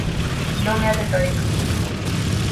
Non é retórica.